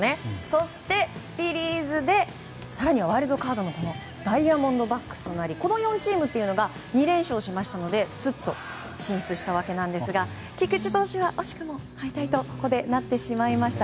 そして、フィリーズで更にはワイルドカードのダイヤモンドバックスとなりこの４チームが２連勝したのでスッと進出したわけですが菊池投手は惜しくもここで敗退となってしまいました。